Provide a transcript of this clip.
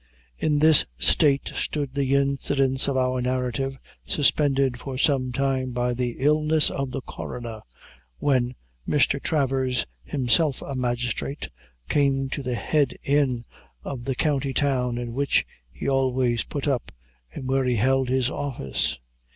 In this state stood the incidents of our narrative, suspended for some time by the illness of the coroner, when Mr. Travers, himself a magistrate, came to the head inn of the county town in which he always put up, and where he held his office.